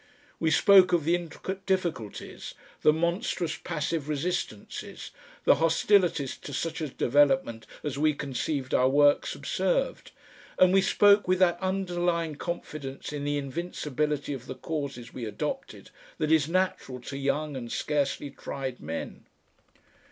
We spoke of the intricate difficulties, the monstrous passive resistances, the hostilities to such a development as we conceived our work subserved, and we spoke with that underlying confidence in the invincibility of the causes we adopted that is natural to young and scarcely tried men.